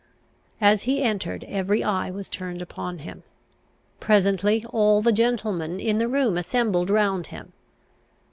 As he entered; every eye was turned upon him. Presently all the gentlemen in the room assembled round him.